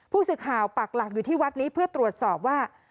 ผู้สื่อข่าวปักหลักอยู่ที่วัดนี้เพื่อตรวจสอบว่า